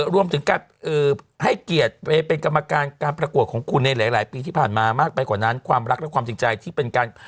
รวมถึงการให้เกียรติไปเป็นกรรมการการประกวดของคุณในหลายปีที่ผ่านมามากไปกว่านั้นความรักและความจริงใจที่เป็นการ